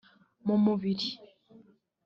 mu mubiri